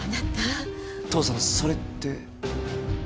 父さんそれって。